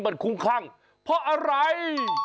มันคุ้มคลั่งเพราะอะไร